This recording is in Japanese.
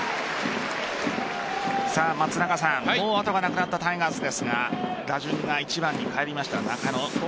松中さん、もう後がなくなったタイガースですが打順が１番に返りました、中野。